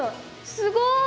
すごい！